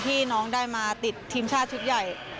ที่น้องได้มาติดทีมชาติชุดใหญ่